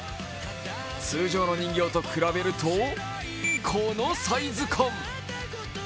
通常の人形と比べるとこのサイズ感。